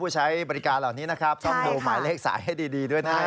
ใช้บริการเหล่านี้นะครับต้องดูหมายเลขสายให้ดีด้วยนะครับ